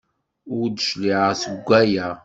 Ur d-cligeɣ seg waya!